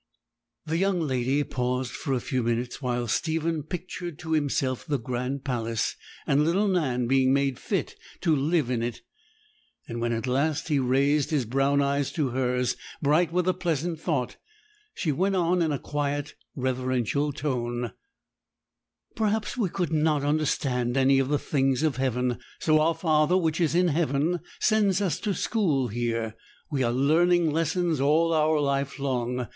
The young lady paused for a few minutes, while Stephen pictured to himself the grand palace, and little Nan being made fit to live in it; and when at last he raised his brown eyes to hers, bright with the pleasant thought, she went on in a quiet, reverential tone: 'Perhaps we could not understand any of the things of heaven, so our Father which is in heaven sends us to school here; we are learning lessons all our life long.